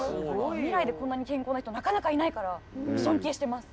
未来でこんなに健康な人なかなかいないから尊敬してます！